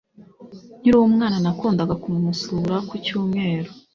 Nkiri umwana nakundaga kumusura ku cyumweru